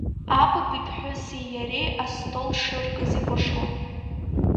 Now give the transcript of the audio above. Апап иԥҳәыси иареи астол шыркыз икәашон.